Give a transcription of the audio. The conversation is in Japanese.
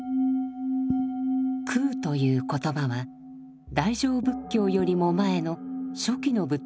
空という言葉は大乗仏教よりも前の初期の仏典に記されています。